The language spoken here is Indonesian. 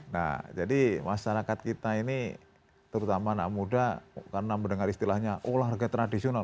nah jadi masyarakat kita ini terutama anak muda karena mendengar istilahnya olahraga tradisional